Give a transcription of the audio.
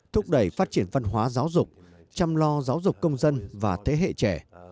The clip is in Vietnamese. thúc đẩy phát triển văn hóa giáo dục chăm lo giáo dục công dân và thế hệ trẻ